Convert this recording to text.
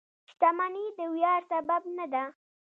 • شتمني د ویاړ سبب نه ده.